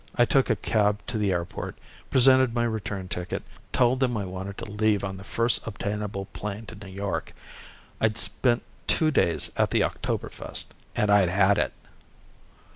I took a cab to the airport, presented my return ticket, told them I wanted to leave on the first obtainable plane to New York. I'd spent two days at the Oktoberfest, and I'd had it.